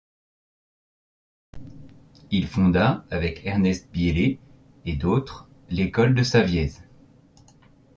Il fonda, avec Ernest Biéler et d'autres, l'école de Savièse.